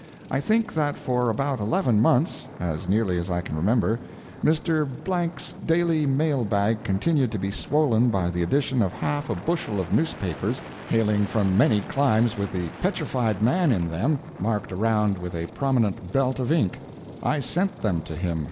I think that for about eleven months, as nearly as I can remember, Mr. 's daily mail bag continued to be swollen by the addition of half a bushel of newspapers hailing from many climes with the Petrified Man in them, marked around with a prominent belt of ink. I sent them to him.